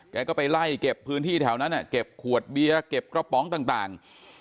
แกก็ไปไล่เก็บพื้นที่แถวนั้นเก็บขวดเบียร์เก็บกระป๋องต่าง